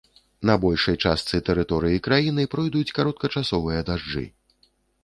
На большай частцы тэрыторыі краіны пройдуць кароткачасовыя дажджы.